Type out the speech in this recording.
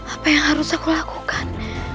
apa yang harus aku lakukan